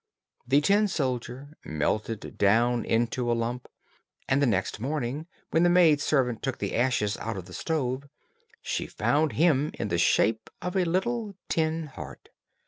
The tin soldier melted down into a lump, and the next morning, when the maid servant took the ashes out of the stove, she found him in the shape of a little tin heart.